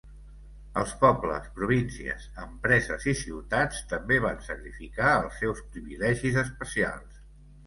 Els pobles, províncies, empreses i ciutats també van sacrificar els seus privilegis especials.